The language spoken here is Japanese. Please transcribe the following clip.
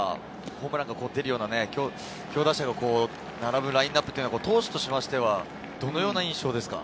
ホームランが出るような強打者が並ぶラインアップというのは、投手としてはどういう印象ですか？